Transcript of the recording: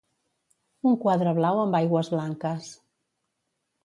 un quadre blau amb aigües blanques